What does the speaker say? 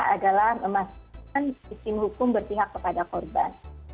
adalah memastikan sistem hukum berpihak kepada korban